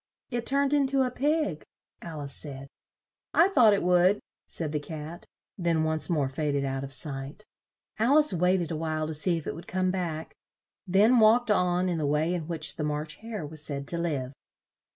"It turned in to a pig," Al ice said. "I thought it would," said the Cat, then once more fa ded out of sight. Al ice wait ed a while to see if it would come back, then walked on in the way in which the March Hare was said to live.